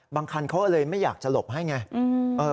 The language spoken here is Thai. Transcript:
บางครรภ์เขาเลยไม่อยากจะหลบให้ไง